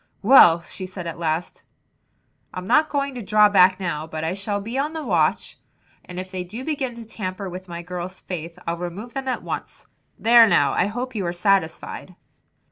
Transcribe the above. "Well," she said at last, "I'm not going to draw back now, but I shall be on the watch and if they do begin to tamper with my girls' faith I'll remove them at once. There now I hope you are satisfied!"